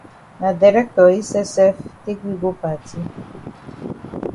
Na dirctor yi sef sef take we go party.